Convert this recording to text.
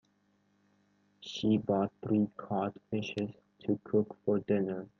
She bought three cod fishes to cook for dinner.